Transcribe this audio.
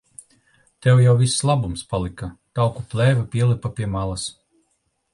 Tev jau viss labums palika. Tauku plēve pielipa pie malas.